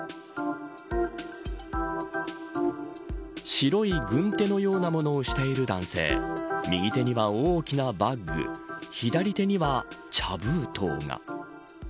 白い軍手のようなものをしている男性右手には大きなバッグ左手には茶封筒が。